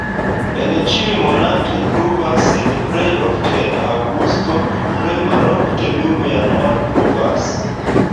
En ĉiuj monatoj pluvas, sed plej ofte en aŭgusto, plej malofte dum januaro pluvas.